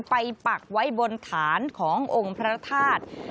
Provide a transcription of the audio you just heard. ปักไว้บนฐานขององค์พระธาตุ